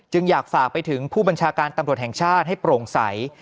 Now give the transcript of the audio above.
อยากฝากไปถึงผู้บัญชาการตำรวจแห่งชาติให้โปร่งใส